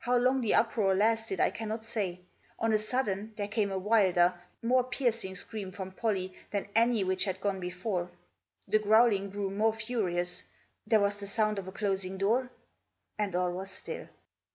How long the uproar lasted I cannot say. On a sudden there came a wilder, more piercing scream from Pollie than any which had gone before ; the growling grew more furious ; there was the sound of a closing door, and all was still.